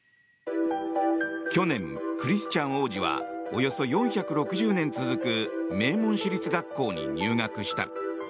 去年、クリスチャン王子はおよそ４６０年続く名門私立学校に入学した。